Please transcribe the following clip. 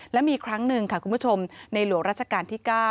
และมีครั้งหนึ่งค่ะคุณผู้ชมในหลวงราชการที่๙